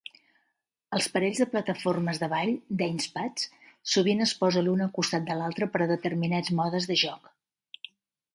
Els parells de plataformes de ball (dance pads) sovint es posen l'un al costat de l'altre per a determinats modes de joc.